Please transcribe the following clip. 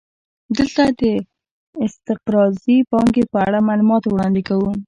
دلته د استقراضي پانګې په اړه معلومات وړاندې کوو